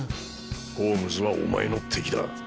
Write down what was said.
ホームズはお前の敵だ